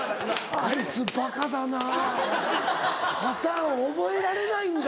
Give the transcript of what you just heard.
「あいつバカだなパターン覚えられないんだ」。